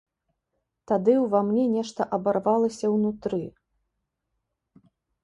Тады ўва мне нешта абарвалася ўнутры.